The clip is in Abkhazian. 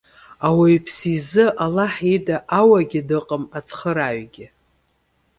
Ауаҩԥсы изы Аллаҳ ида ауагьы дыҟам, ацхырааҩгьы.